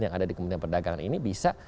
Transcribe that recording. yang ada di kementerian perdagangan ini bisa